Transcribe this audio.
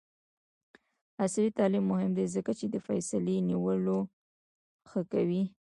عصري تعلیم مهم دی ځکه چې د فیصلې نیولو ښه کوي.